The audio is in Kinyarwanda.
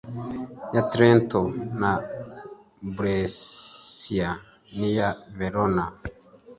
ya Trento na Brescia n'iya Verona